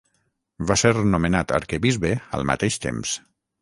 Va ser nomenat arquebisbe al mateix temps.